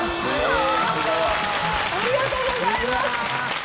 ありがとうございます！